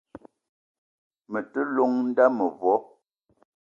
Me te llong n'da mevo.